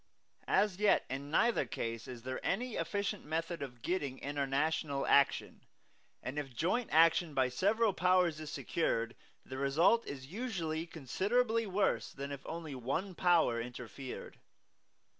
As yet in neither case is there any efficient method of getting international action; and if joint action by several powers is secured, the result is usually considerably worse than if only one Power interfered.